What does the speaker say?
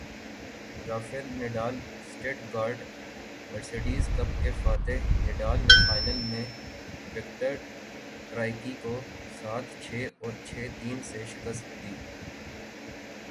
Rafale Nadal Stuttgart Mercedes Cup کے فاتح Nadal نے فائنل میں وکٹر ٹرائیکی کو سات چھے اور چھے تین سے شکست دی